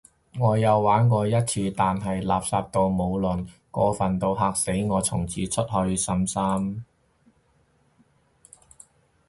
我有玩過一次，但係垃圾到無倫，過份到嚇死我，從此失去信心